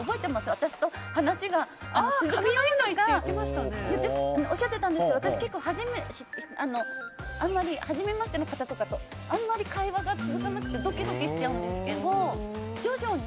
私と話がかみ合わないっておっしゃっていたんですが私は結構はじめましての方とかと会話が続かなくてドキドキしちゃうんですけど徐々に。